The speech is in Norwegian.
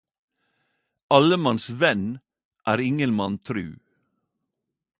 Alle manns venn er ingen mann tru